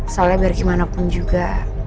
soalnya biar gimana pun juga